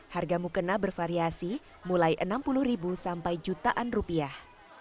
harga mukena bervariasi mulai enam puluh ribu sampai jutaan rupiah